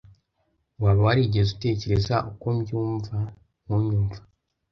Waba warigeze utekereza uko mbyumva, unyumva